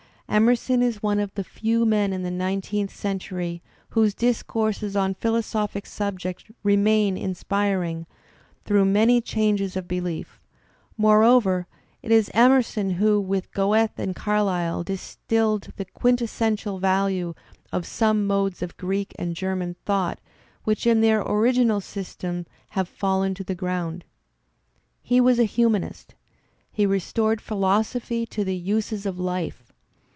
Emerson is one of the few men in the nineteenth century whose discourses on philosophic subjects remain inspiring through many changes of belief; moreover it is Emerson who, with Goethe and Carlyle, distilled the quintessential value of somemodesof Greekand Grerman thought which in their orig inal system have fallen to the ground. He was a humanist. He restored philosophy to the uses of life.